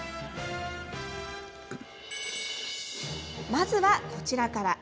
まずはこちらから。